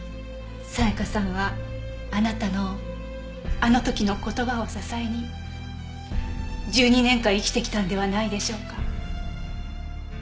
沙也加さんはあなたのあの時の言葉を支えに１２年間生きてきたんではないでしょうか。